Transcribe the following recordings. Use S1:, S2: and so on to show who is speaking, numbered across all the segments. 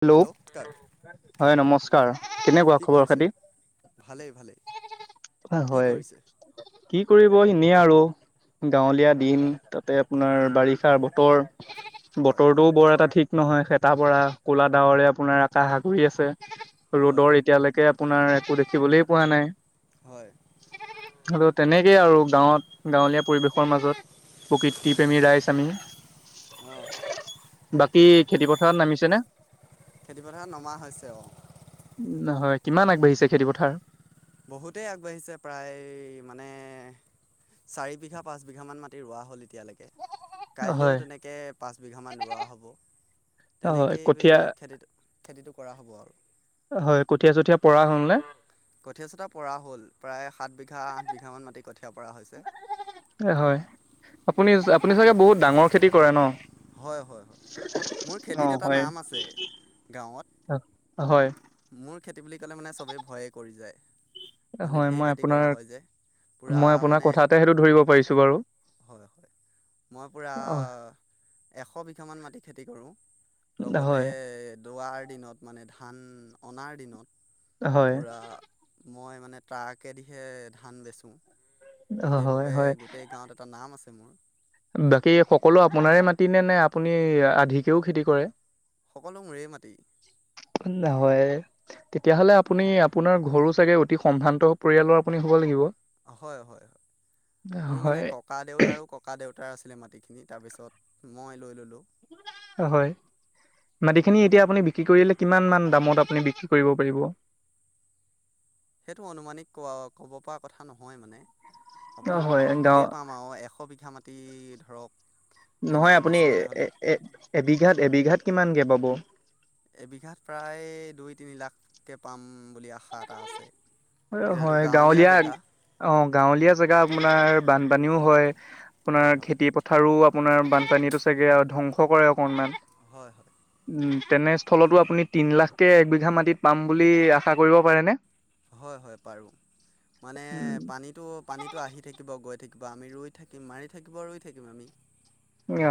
S1: Hello হয় নমস্কাৰ কেনেকুৱা
S2: কি
S1: খবৰ
S2: কৰিছে
S1: পাতি?
S2: ভালেই ভালেই। কি
S1: হয়।
S2: কৰিছে
S1: কি কৰিব এনেই আৰু গাঁৱলীয়া দিন তাতে আপোনাৰ বাৰিষাৰ বতৰ।
S2: হয় হয়
S1: বতৰটোও বৰ এটা ঠিক নহয় খেতা পৰা ক'লা ডাৱৰে আপোনাৰ আকাশ আৱৰি আছে।
S2: হয়
S1: ৰ'দৰ
S2: হয়
S1: এতিয়ালৈকে আপোনাৰ একো দেখিবলৈ পোৱা নাই।
S2: হয়
S1: তেনেকেই আৰু গাঁৱত, গাঁৱলীয়া পৰিৱেশৰ মাজত প্ৰকৃতি প্ৰেমি ৰাইজ আমি,
S2: অঁ
S1: বাকী খেতি পথাৰত নামিছে নে?
S2: খেতিপথাৰত নমা হৈছে ও।
S1: হয় কিমান আগবাঢ়িছে খেতিপথাৰ?
S2: বহুতেই আগবাঢ়িছে প্ৰায় মানে চাৰি বিঘা পাঁচ বিঘামান মাটি ৰোৱা হ'ল। এতিয়ালৈকে কাইলেও
S1: হয়
S2: তেনেকে পাঁচ বিঘা মান ৰোৱা হ'ব।
S1: হয়
S2: তেনেকেই
S1: কঠীয়া
S2: খেতি খেতিটো কৰা হ'ব আৰু।
S1: হয় কঠীয়া চঠীয়া পঢা হ'ল নে?
S2: কঠীয়া-চতিয়া পঢ়া হ'ল প্ৰায় সাত বিঘা আঠ বিঘা মান মাটি। কঠীয়া পৰা হৈছে
S1: হয়, আপুনি আপুনি চাগে বহুত ডাঙৰ খেতি কৰে ন?
S2: হয় হয় হয় মোৰ
S1: অ
S2: খেতিত এটা
S1: হয়।
S2: নাম আছে, গাঁৱত।
S1: হয়
S2: মোৰ খেতি বুলি ক'লে মানে চবেই ভয়ে কৰি যায়, মানে
S1: হয়
S2: ধেৰ
S1: মই
S2: খেতি
S1: আপোনাৰ
S2: কৰা হয় যে। পূৰা
S1: মই আপোনাৰ
S2: মানে
S1: কথাতে সেইটো ধৰিব পাৰিছো বাৰু।
S2: হয় হয় মই পুৰা
S1: অ
S2: এশ বিঘামান মাটি, খেতি কৰোঁ লগতে
S1: হয়
S2: দুৱাৰ দিনত মানে ধান অনাৰ দিন
S1: হয়।
S2: মই মানে ট্ৰাকেদিহে ধান বেচো।
S1: হয়
S2: সেইবাবে
S1: হয়
S2: গোটেই গাঁৱত এটা নাম আছে। মোৰ
S1: বাকী সকলো আপোনাৰে মাটিনে নে আপুনি আধিকেও খেতি কৰে?
S2: সকলো মোৰ মাটি।
S1: তেতিয়া হ'লে আপুনি আপোনাৰ ঘৰ চাগে অতি সম্ভ্ৰান্ত পৰিয়ালৰ আপুনি হ'ব লাগিব।
S2: হয় হয় হয় মোৰ
S1: হয়
S2: মানে ককা দেউতাৰো ককা দেউতাৰ আছিল। মাটিখিনি তাৰ পিছত মই লৈ ল'লো।
S1: হয়। মাটিখিনি এতিয়া আপুনি বিক্ৰী কৰিলে কিমান মান দামত আপুনি বিক্ৰী কৰিব পাৰিব? [inaudible]
S2: সেইটো অনুমানিক কোৱা কব পৰা কথা নহয় মানে।
S1: অ
S2: আপোনাৰ
S1: হয়
S2: ধৰক
S1: গাঁও
S2: ঢেৰ পাম আৰু এশ বিঘা মাটি ধৰক
S1: নহয়
S2: এনেকৈ
S1: আপুনি
S2: বেচিবলৈ হ'লে
S1: এ এবিঘাট এবিঘাট কিমানকে পাব?
S2: এবিঘাত প্ৰায় দুই তিনি লাখকে পাম বুলি আশা এটা আছে। যিহেতু
S1: হয় গাঁৱলীয়া
S2: জেগা
S1: অ' গাঁৱলীয়া জেগা আপোনাৰ বানপানীও হয়।
S2: হয়
S1: আপোনাৰ
S2: হয়
S1: খেতি পথাৰো আপোনাৰ বানপানী চাগে আৰু ধ্বংস কৰে অকনমান।
S2: হয়, হয়।
S1: উ, তেনেস্থলতো আপুনি তিন লাখকে একবিঘা মাটিত পাম বুলি আশা কৰিব পাৰেনে?
S2: হয়, হয়, পাৰোঁ মানে পানীটো পানীটো আহি থাকিব গৈ থাকিব কিবা আমি ৰৈ থাকিম মাৰি থাকিব ৰৈ থাকিম আমি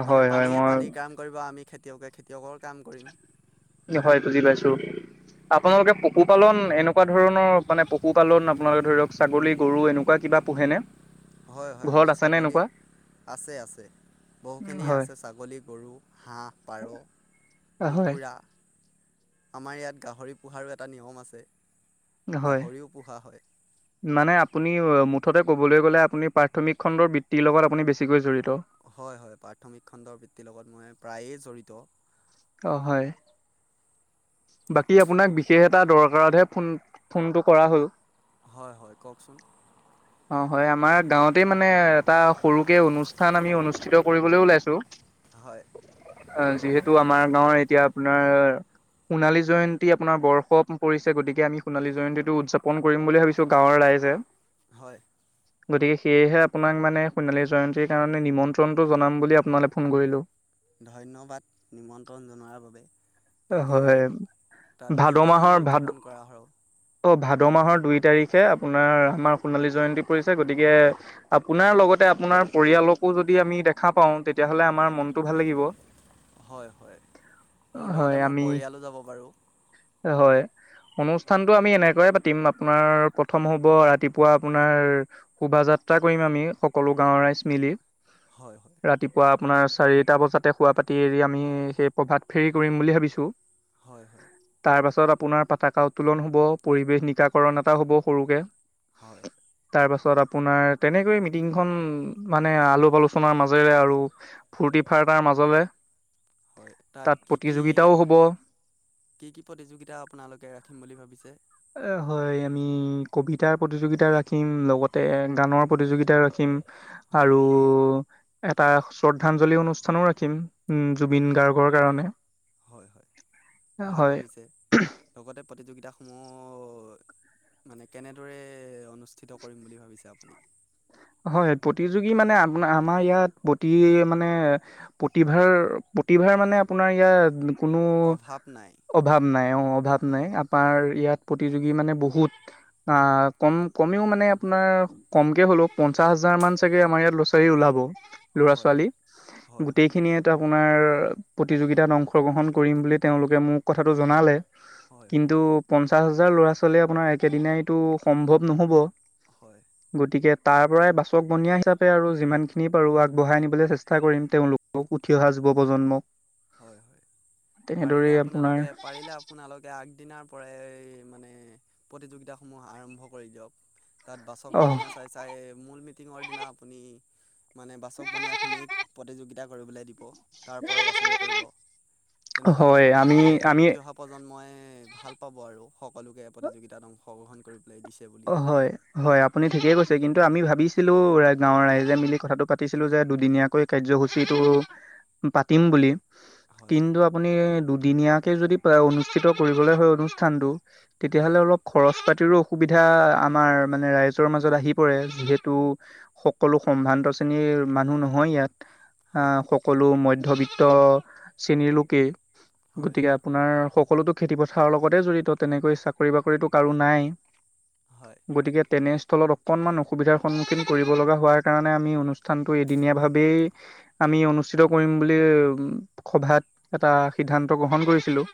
S2: মানে
S1: হয় হয়
S2: পানীয়ে
S1: মই
S2: পানী কাম কৰিব আমি খেতিয়কে খেতিয়কৰ কাম কৰিম।
S1: হয়, বুজি পাইছো। আপোনালোকে পশুপালন এনেকুৱা ধৰণৰ মানে পশুপালন আপোনালোকে ধৰিৰক ছাগলী গৰু এনেকুৱা কি বা পোহেনে?
S2: হয়, হয়,
S1: ঘৰত
S2: আমাৰ
S1: আছেনে
S2: ছাগলী
S1: এনেকুৱা
S2: আছে, আছে, বহুখিনিয়ে
S1: হয়
S2: আছে ছাগলী গৰু হাঁহ পাৰ
S1: হয়
S2: কুকুৰা, আমাৰ ইয়াত গাহৰি পোহাৰো এটা নিয়ম আছে।
S1: হয়,
S2: গাহৰিও পোহা হয়।
S1: মানে আপুনি মুথতে কবলৈ গ'লে আপুনি প্ৰাথমিক খণ্ডৰ ব্তিৰ লগত আপুনি বছিকৈ জড়িত।
S2: হয়, হয়, প্ৰাথমিক খণ্ডৰ বৃত্তিৰ লগত মই প্ৰায়ে জড়িত।
S1: অ' হয়। বাকী আপোনাক বিশেষ এটা দৰকাৰতহে ফোন ফোনটো কৰা হ'ল।
S2: হয়, হয়, কওকচোন।
S1: অ' হয় আমাৰ গাঁৱতেই মানে এটা সৰুকে অনুষ্ঠান আমি অনুষ্ঠিত কৰিবলৈ ওলাইছো
S2: হয়
S1: অ' যিহেতু আমাৰ গাঁৱৰ এতিয়া আপোনাৰ সোণালী জয়ন্তী আপোনাৰ বৰ্ষ পৰিছে গতিকে আমি সোণালী জয়ন্তীটো উদযাপন কৰিম বুলি ভাবিছো গাঁৱৰ ৰাইজে।
S2: হয়।
S1: গতিকে সেয়েহে আপোনাক মানে সোণালী জয়ন্তীৰ কাৰণে নিমন্ত্ৰণটো জনাম বুলি আপোনালৈ ফোন কৰিলো।
S2: ধন্যবাদ নিমন্ত্ৰণ জনোৱাৰ বাবে তাক তে
S1: হয়
S2: তাত
S1: ভাদ
S2: কি কি
S1: মাহৰ ভাদ
S2: উদযাপন কৰা আৰু?
S1: অ, ' ভাদ মাহৰ দুই তাৰিখে আপোনাৰ আমাৰ সোণালী জয়ন্তী পৰিছে গতিকে আপোনাৰ লগতে আপোনাৰ পৰিয়ালকো যদি আমি দেখা পাওঁ তে তেতিয়াহলে আমাৰ মনটো ভাল লাগিব,
S2: হয় হয় মোৰ লগতে
S1: হয়
S2: মোৰ
S1: আমি
S2: পৰিয়ালো যাব বাৰু
S1: হয়। অনুষ্ঠানতটো আমি এনেকয়ে পাতিম আপোনাৰ প্ৰথম হ'ব ৰাতিপুৱা আপোনাৰ শোভাযাত্ৰ যাত্ৰা কৰিম আমি সকলো গাওৰ ৰাইজ মিলি
S2: হয় হয়
S1: ৰাতিপুৱা। আপোনাৰ চাৰিটা বজাতে খোৱা পাতি এৰি আমি সেই প্ৰভাত ফেৰী কৰিম বুলি ভাবিছো।
S2: হয় হয়
S1: তাৰপাছত আপোনাৰ পতাকা উত্তোলন হ'ব, পৰিৱেশ নিকাকৰণ এটা হ'ব সৰুকে।
S2: হয়।
S1: তাৰপাছত আপোনাৰ তেনেকৈ মিটিংখন মানে আলোপ আলোচনাৰ মাজেৰে আৰু ফ্তি তাৰ মাজলৈ,
S2: হয়
S1: তাত
S2: কি কি
S1: প্ৰতিযোগিতাও হ'ব।
S2: কি কি প্ৰতিযোগিতা আপোনালোকে ৰাখিম বুলি ভাবিছে?
S1: এ হয়, আমি কবিতাৰ প্ৰতিযোগিতা ৰাখিম, লগতে গানৰ প্ৰতিযোগিতা ৰাখিম।
S2: হয়
S1: আৰু
S2: হয়
S1: এটা শ্ৰদ্ধাঞ্জলি অনুষ্ঠানো ৰাখিম। উম,
S2: হয়
S1: জুবিন গাৰ্গৰ কাৰণে।
S2: হয় হয় ভাল
S1: হয়
S2: ভাবিছে, লগতে প্ৰতিযোগিতাস সমূহ মানে কেনেদৰে অনুষ্ঠিত কৰিম বুলি ভাবিছে আপ
S1: হয়, প্ৰতিযোগী মানে আ-আমাৰ ইয়াত প্ৰতি মানে প্ৰতিভাৰ প্ৰতিভাৰ মানে আপোনাৰ ইয়াত কোনো
S2: অভাৱ নাই
S1: অভাৱ নাই অ' অভাৱ
S2: হয়
S1: নাই
S2: হয়
S1: আপমাৰ ইয়াত প্ৰতিযোগী মানে বহুত, আ কম কমেও মানে আপোনাৰ কমকে হ'লও পঞ্চাশ হাজাৰ মান চাগে আমাৰ ইয়াত ল'ৰা ছালী ওলাব, ল'ৰা
S2: হয়
S1: ছোৱালী
S2: হয় হয়
S1: গোটেইখিনি এটা আপোনাৰ প্ৰতিযোগিতাত অংশগ্ৰহণ কৰিম বুলি তেওঁলোকে মোক কথাটো জনালে।
S2: হয় হয় হয়
S1: কিন্তু পঞ্চাশ হাজাৰ ল'ৰা ছোৱালীয়ে আপোনাৰ একেদিনাইতো সম্ভৱ নহব।
S2: হয়
S1: গতিকে তাৰ পৰাই বাচক বনিয়া হিচাপে আৰু যিমানখিনি পাৰো আগবঢ়াই নিবলৈ চেষ্টা কৰিম তেওঁলোকক উঠি অহা য যুৱ প্ৰজন্মক।
S2: হয় হয় পাৰিলে
S1: তেনেদৰেই আপোনাৰ
S2: আপোনালোকে পাৰিলে আপোনালোকে আগদিনাৰ পৰা মানে প্ৰতিযোগিতা সমূহ আৰম্ভ কৰি দিয়ক। তাত বাচৱ
S1: অ
S2: গনিয়া চাই চাই মূল মিটিঙৰ দিনা আপুনি মানে বাচক বনীয়াখিনিক প্ৰতিযোগিতা কৰিবলৈ দিব, তাৰ পৰা বাছনি তেনেকে হলে
S1: হয়
S2: মানে
S1: আমি আমি
S2: উঠি অহা প্ৰজন্মই ভাল পাব আৰু। সকলোকে প্ৰতিযোগিতাত অংশগ্ৰহণ কৰিব
S1: অ' হয়, হয় আপুনি ঠিকেই কৈছে কিন্তু আমি ভাবিছিলো গাঁৱৰ ৰাইজে মিলি কথাটো পাতিছিলো যে দুদিনীয়াকৈ কাৰ্যসূচীটো পাতিম বুলি।
S2: হয়
S1: কিন্তু আপুনি দুদিনীয়াকে যদি অনুষ্ঠিত কৰিবলৈ হয় অনুষ্ঠানটো। তেতিয়াহ'লে
S2: হয়
S1: অলপ খৰচ পাতিৰো এতিয়া আমাৰ মানে ৰাইজৰ মাজত আহি পৰে যিহেতু সকলো সম্ভ্ৰান্ত শ্ৰেণীৰ মানুহ নহয় ইয়াত,
S2: হয়
S1: আহ সকলো মধ্যবিত্ত শ্ৰেণীৰ লোকেই
S2: হয়
S1: গতিকে আপোনাৰ সকলোতো খেতি পথাৰৰ লগতে জড়িত তেনেকৈ চাকৰি বাকৰিতো কাৰো নাই।
S2: হয়
S1: [inaudible] গতিকে তেনেস্থলত অকণমান অসুবিধাৰ সন্মুখীন কৰিব লগা হোৱাৰ কাৰণে আমি অনুষ্ঠানটো এদিনীয়া ভাৱে আমি অনুষ্ঠিত কৰিম বুলি সভাত এটা সিদ্ধান্ত গ্ৰহণ কৰিছিলো।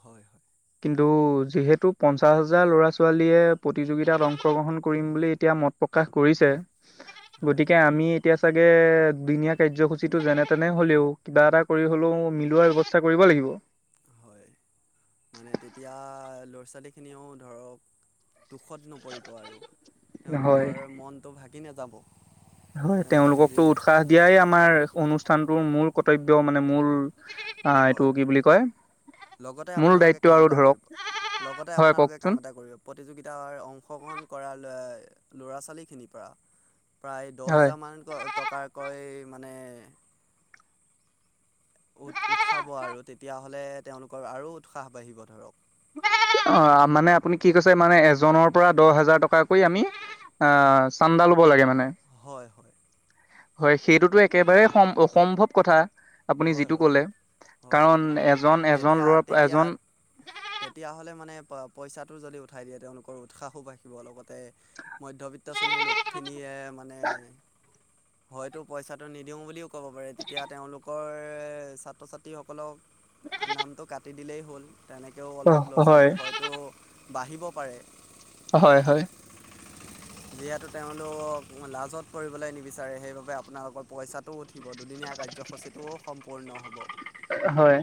S2: হয়।
S1: কিন্তু যিহেতু পঞ্চাশ হাজাৰ ল'ৰা ছোৱালীয়ে প্ৰতিযোগিতাত অংশগ্ৰহণ কৰিম বুলি এতিয়া মত প্ৰকাশ কৰিছে।
S2: হয়
S1: গতিকে আমি এতিয়া চাগে দুিনীয়া কাৰ্যসূচীটো যেনে তেনে হলেও কিবা এটা কৰি হলেও মিলোৱাৰ ব্যৱস্থা কৰিব লাগিব।
S2: হয় মানে তেতিয়া ল'ৰা ছোৱালীখিনিও ধৰক। দুখত নপৰিব আৰু
S1: হয়
S2: তেওঁলোকৰ মনটো ভাগি নাযাব।
S1: হয়
S2: তেনেকৈ
S1: তেওঁলোকতো
S2: দুদিন
S1: উৎসাহ দিয়াই আমাৰ অনুষ্ঠানটোৰ মূল কৰ্তব্য মানে মূল অ' এইটো
S2: হয়
S1: কি
S2: হয়
S1: বুলি কয়?
S2: লগতে
S1: মূল
S2: আপোনালোকে
S1: দায়িত্ব
S2: কাম
S1: আৰু
S2: এটা
S1: ধৰক
S2: কৰিব। লগতে
S1: হয়
S2: আপোনালোকে
S1: কওকচোন
S2: কাম এটা কৰিব প্ৰতিযোগিতাৰ অংশগ্ৰহণ কৰাৰ ল'ৰা ছোৱালীখিনিৰ পৰা প্ৰায় দহ
S1: হয়
S2: হেজাৰ মানক টকাকৈ মানে এক উ উঠাব আৰু তেতিয়াহলে তেওঁলোকৰ আৰু উৎসাহ বাঢ়িব ধৰক।
S1: অ' মানে আপুনি কি কৈছে মানে এজনৰ পৰা দহ হাজাৰ টকাকৈ আমি অ' চন্দাল লব লগে মানে,
S2: হয় হয়
S1: হয় সেইটোতো একেবাৰে সম অসম্ভৱ কথা। আপুনি
S2: হয়
S1: যিটো
S2: হয়
S1: কলে,
S2: হয়
S1: কাৰণ এজন এজন
S2: তেতিয়া
S1: ল
S2: তেতিয়া
S1: এজন
S2: তেতিয়াহ'লে মানে প পইচাটো যদি উঠাই দিয়ে তেওঁলোকৰ উৎসাহো বাঢ়িব লগত তা মধ্যবিত্ত শ্ৰেণীৰ লোকখিনিয়ে মানে হয়তো পইচাটো নিদিও বুলিও ক'ব পাৰেি তেতিয়া তেওঁলোক ছাত্ৰ ছাত্ৰীসকলক নামটো কাটি দিলেই হ'ল। তেনেকৈও অলপ ল'ৰা
S1: হয়
S2: ছোৱালী হয়তো বাঢ়িব পাৰে।
S1: হয় হয়।
S2: যিহেতু তেওঁলোকক লাজত কৰিবলৈ নিবিচাৰে সেইবাবে আপোনালোকৰ পইচাটো উঠিব দুদিনীয়া কাৰ্যসূচীটোও সম্পূৰ্ণ হ'ব।
S1: হয়।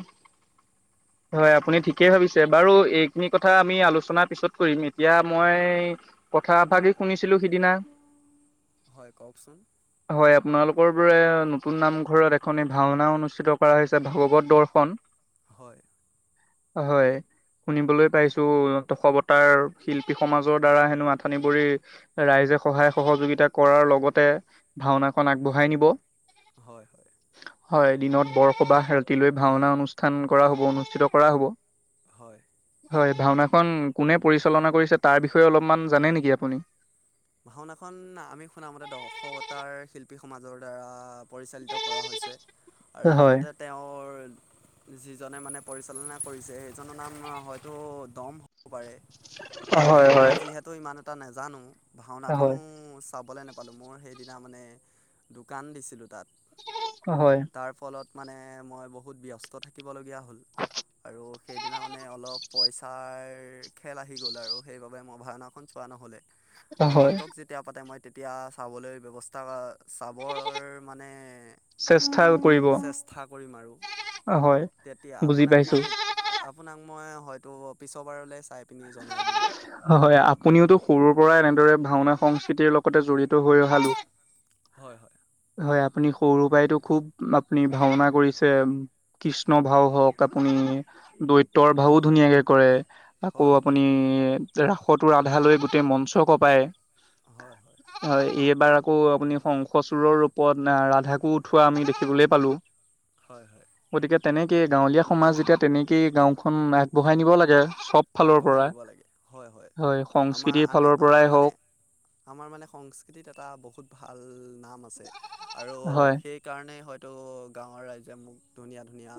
S1: হয় আপুনি ঠিকেই ভাবিছে বাৰু এইখিনি কথা আমি আলোচনাৰ পিছত কৰিম এতিয়া মই‌ কথা ভাগি শুনিছিলো সিদিনা
S2: হয় কওকচোন
S1: হয় আপোনালোকৰ পৰা নতুন নামঘৰত এখনি ভাওনা অনুষ্ঠিত কৰা হৈছে ভাগৱত দৰ্শন।
S2: হয়।
S1: হয়। শুনিবলৈ পাইছো দশৱতাৰ শিল্পী সমাজৰ দ্বাৰা হেনো আঠানীিবৰি ৰাইজ‌ সহায় সহযোগিতা কৰাৰ লগতে, ভাওনাখন আগবঢ়াই নিব।
S2: হয় হয়।
S1: হয় দিনত বৰসবাহ ৰাতিলৈ ভাওনা অনুষ্ঠান কৰা হব অনুষ্ঠিত কৰা হব।
S2: হয়।
S1: হয় ভাওনাখন কোনে পৰিচালনা কৰিছে তাৰ বিষয়ে অলপমান জানে নেকি আপুনি?
S2: ভাওনাখন আমি শুনামতে দৰ্শৱতাৰ শিল্পী সমাজৰ দ্বাৰা পৰিচালিত কৰা হৈছে, আৰু
S1: হয়।
S2: লগতে তেওঁৰ যিজনে মানে পৰিচালনা কৰিছে সেইজনৰ নাম হয়তো দম হ'ব পাৰে। মানে
S1: হয় হয়
S2: মই যিহেতু ইমান এটা নাজানো ভাওনাখনো
S1: হয়
S2: চাবলৈ ন পালোঁ মোৰ সেইদিনা মানে দোকান দিছিলোঁ তাত
S1: হয়
S2: তাৰ ফলত মানে মই বহুত ব্যস্ত থাকিবলগীয়া হ'ল। আৰু সেইদিনা মানে অলপ পইচাৰ খেল আহি গ'ল আৰু সেইবাবে মই ভাওনাখন চোৱা ন'হলে
S1: হয়
S2: আগন্তক যেতিয়া পাতে মই তেতিয়া চাবলৈ ব্যৱস্থা বা চাবৰ মানে
S1: চেষ্টা কৰিব
S2: চেষ্টা কৰি ম আৰু,
S1: হয়।
S2: তেতিয়া
S1: বুজি
S2: আপোনাক
S1: পাইছো
S2: মই আপোনাক মই হয়তো পিছৰবাৰলৈ চাই পিনি জনাই দিম।
S1: হয় আপুনিওতটো সৰুৰ পৰা এনেদৰে ভাওনা সংস্কৃতিৰ লগতে জড়িত। হৈ ৰহালো,
S2: হয় হয়
S1: হয়। আপুনি সৰুৰ পৰাইতো খুব আপুনি ভাওনা কৰিছে কৃষ্ণ ভাও হওক আপুনি দৈতৰ ভাওো ধুনীয়াকে কৰে। আকৌ
S2: হয় হয়
S1: আপুনি ৰাসতো ৰাধা লৈ গোটেই মঞ্চ কপায়। হয়, এই এবাৰ আকৌ আপুনি শংস চুৰৰ ৰূপত আহ ৰাধাকো উঠোৱা আমি দেখিবলে পালো।
S2: হয়, হয়।
S1: তেনেকৈয় গাঁৱলীয়া সমাজ যেতিয়া তেনেকৈেইে গাঁওখন আগবঢ়াই নিব লাগে। চব ফালৰ
S2: আগবঢ়াই
S1: পৰা
S2: নিব লাগে।
S1: হয়,
S2: আমাৰ
S1: সংস্কৃতিৰ
S2: আমি
S1: ফালৰ
S2: আমাৰ
S1: পৰাই
S2: মানে
S1: হওক।
S2: আমাৰ মানে সংস্কৃতিত এটা বহুত ভাল নাম আছে আৰু
S1: হয়
S2: সেইকাৰণে এ হয়তো গাঁৱৰ ৰাইজে মোক ধুনীয়া ধুনীয়া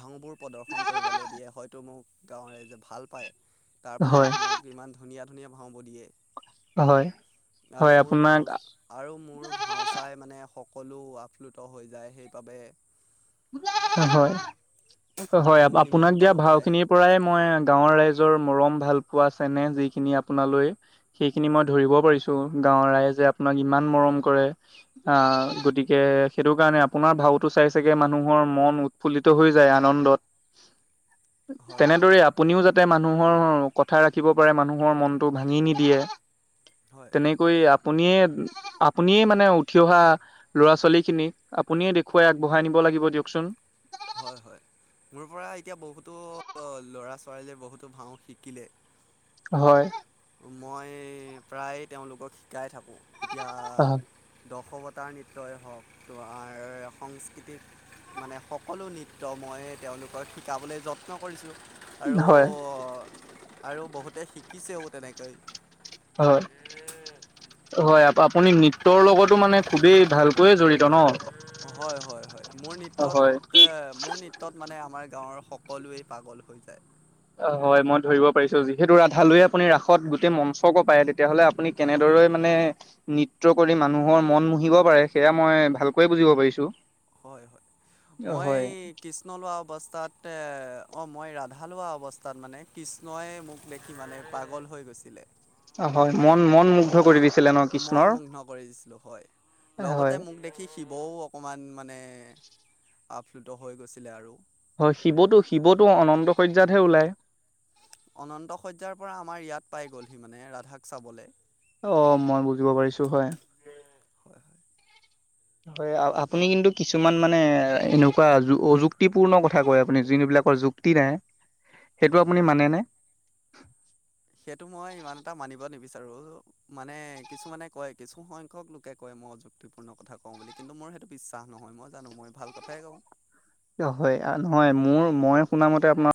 S2: ভাওবোৰ প্ৰদৰ্শন কৰিবলৈ দিয়ে হয়তো তাৰ
S1: হয়
S2: ফলত মোক ইমান ধুনীয়া ধুনীয়া ভাওঁ বো দিয়ে।
S1: হয়
S2: আৰু
S1: হয়
S2: মোৰ ভাও
S1: আপোনাক
S2: আৰু মোৰ ভাওচাই মানে সকলো আপ্লুত হৈ যায় সেইবাবে
S1: হয়, হয়
S2: মোক
S1: আপোনাক দিয়া
S2: নিমন্ত্ৰণো
S1: ভাও
S2: কৰে
S1: খিনিৰ পৰাই মই গাঁৱৰ ৰাইজ মৰম ভাল পোৱা চেনেহ যিখিনি আপোনালৈ সেইখিনি মই
S2: হয়
S1: ধৰিব পাৰিছো। গাৱৰ ৰাইজে আপোনাক ইমান মৰম কৰে আহ গতিকে সেইটো কাৰণে আপোনাৰ ভাল। ভাওটো চাই চাগে মানুহৰ মন উৎফুল্লিত হৈ যায়। আনন্দত
S2: হয় হয়
S1: তেনেদৰে আপুনিও যাতে তে মানুহৰ কথা ৰাখিব পাৰে মানুহৰ মনটো ভাঙি নিদিয়ে।
S2: হয়
S1: তেনেকৈ। আপুনিয়ে আপুনিয়ে মানে উঠি অহা ল'ৰা ছোৱালী খিনিক আপুনিয়ে দেখুৱাই আগবঢ়াই নিব। লাগিব দিয়কচোন।
S2: হয়, হয়, মোৰ পৰা এতিয়া বহুতো ল'ৰা ছৰালীয়ে বহুতো ভাওঁ শিকিলে।
S1: হয়।
S2: মই প্ৰায় তেওঁলোকক শিকাই থাকোঁ। এতিয়া দখবতি নৃত্যই হওক, তোমাৰ সংস্কৃতিক মানে সকলো নৃত্যক মই তেওঁ তেওঁলোকক শিকাবলৈ যত্ন কৰিছোঁ। আৰু
S1: হয়
S2: -আৰু বহুতে শিকিছেও তেনেকৈ।
S1: হয়। হয়, আপুনি নৃত্যৰ লগতো মানে খুবেই ভালকৈয়ে জৰি়ত ন?
S2: হয়- হয় -হয় মোৰ নৃত্যত,
S1: হয়
S2: এ মোৰ নৃত্যত মানে আমাৰ গাঁৱৰ সকলোৱে পাগল হৈ যায়।
S1: অ' হয়, মই ধৰিব পাৰিছো যিহেতু ৰাধালৈয়ে আপুনি ৰাসত গোটেই মঞ্চক কপাই। তেতিয়াহলে আপুনি
S2: হয়
S1: কেনেদৰে
S2: হয়
S1: মানে নৃত্য কৰি মানুহৰ মন মুহিব পাৰে সেয়া মই ভালকৈয়ে বুজিব পাৰিছো।
S2: হয়- হয় মই
S1: হয়
S2: কৃষ্ণ লোৱা অৱস্থাত, এ অ' মই ৰাধা লোৱা অৱস্থাত মানে কৃষ্ণইে মোক দেখি মানে পাগল হৈ গৈছিলে।
S1: হয় মন মন মুগ্ধ কৰিচ।
S2: মন মুগ্ধ কৰি দিছিলো হয়।
S1: হয়।
S2: লগতে মোক দেখি শিৱও অকণমান মানে আপ্লুত হৈ গৈছিলে আৰু।
S1: হয় শিৱটো -শিৱটো অনন্ত শাৰ্য্যতহে ওলায়।
S2: অনন্ত শয্যাৰ পৰা আমাৰ ইয়াত পাই গলহি। মানে ৰাধাক চাবলৈ।
S1: অ', মই বুজিব পাৰিছো হয়।
S2: হয় - হয়।
S1: হয়, আপুনি কিন্তু কিছুমান মানে এনেকুৱা অযুক্তি পূৰ্ণ কথা কয়। আপুনি যোন বিলাক যুক্তি নাই সেইটো
S2: হয় হয়
S1: আপুনি
S2: হয়।
S1: মানেনে।
S2: সেইটো মই ইমান এটা মানিব নিবিচাৰো। মানে কিছুমানে কয় কিছু সংখ্যাকলোকে কয়। মই অযুক্তিপূৰ্ণ কথা কওঁ বুলি, কিন্তু মোৰ সেইটো বিশ্বাস নহয়। মই জানো মই ভাল কথাইে কওঁ।
S1: হয় নহয়? মোৰ মই শুনা মতে আপোনাৰ